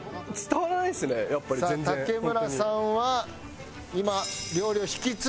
さあ竹村さんは今料理を引き継いで。